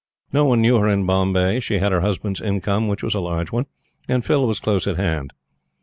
No one knew her in Bombay; she had her husband's income, which was a large one, and Phil was close at hand.